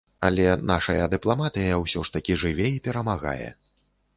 Але нашая дыпламатыя ўсё ж такі жыве і перамагае.